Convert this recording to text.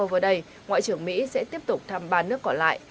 trong thời gian này ngoại trưởng mỹ sẽ tiếp tục thăm ba nước còn lại